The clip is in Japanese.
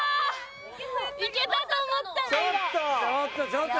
ちょっと！